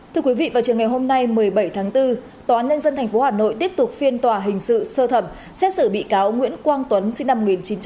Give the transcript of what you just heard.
thưa quý vị vào trường ngày hôm nay một mươi bảy tháng bốn tòa án nhân dân tp hà nội tiếp tục phiên tòa hình sự sơ thẩm xét xử bị cáo nguyễn quang tuấn sinh năm một nghìn chín trăm tám mươi